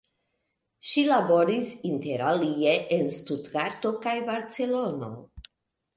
Ŝi laboris interalie en Stutgarto kaj Barcelono.